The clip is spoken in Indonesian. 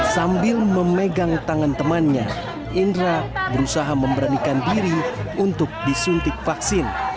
sambil memegang tangan temannya indra berusaha memberanikan diri untuk disuntik vaksin